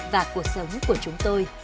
và cuộc sống của chúng tôi